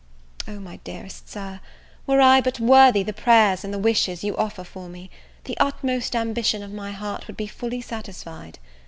O, my dearest Sir, were I but worthy the prayers and the wishes you offer for me, the utmost ambition of my heart would be fully satisfied!